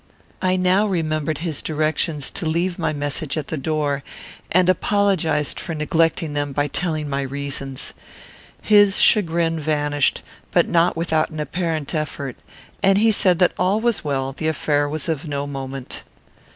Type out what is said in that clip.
I now remembered his directions to leave my message at the door, and apologized for my neglecting them by telling my reasons. His chagrin vanished, but not without an apparent effort, and he said that all was well; the affair was of no moment.